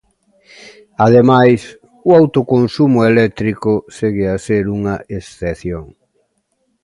Ademais, o autoconsumo eléctrico segue a ser unha excepción.